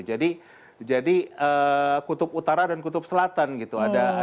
jadi kutub utara dan kutub selatan gitu